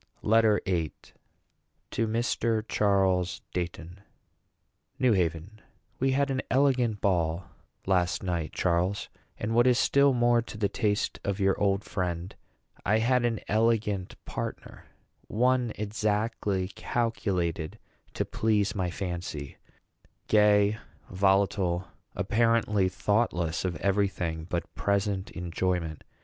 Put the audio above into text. LETTER VIII. TO MR. CHARLES DEIGHTON. NEW HAVEN. We had an elegant ball, last night, Charles; and what is still more to the taste of your old friend, I had an elegant partner; one exactly calculated to please my fancy gay, volatile, apparently thoughtless of every thing but present enjoyment.